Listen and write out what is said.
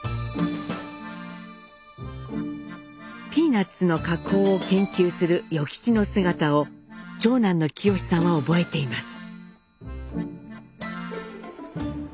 ピーナッツの加工を研究する与吉の姿を長男の清さんは覚えています。